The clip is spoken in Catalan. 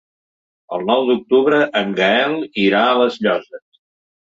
El nou d'octubre en Gaël irà a les Llosses.